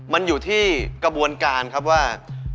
มันอยู่ที่กระบวนการครับว่า